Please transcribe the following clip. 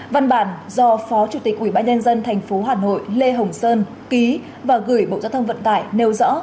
văn bản do phó chủ tịch ủy ban nhân dân tp hà nội lê hồng sơn ký và gửi bộ giao thông vận tải nêu rõ